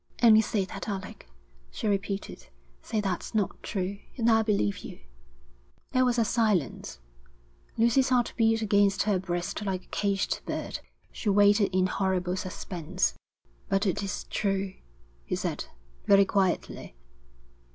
'Only say that, Alec,' she repeated. 'Say that's not true, and I'll believe you.' There was a silence. Lucy's heart beat against her breast like a caged bird. She waited in horrible suspense. 'But it is true,' he said, very quietly.